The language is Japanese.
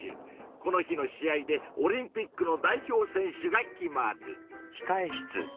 この日の試合でオリンピックの代表選手が決まる。